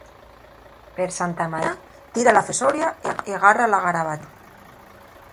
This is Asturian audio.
Per Santa Marina, tira la fesoria y garra la garabatina.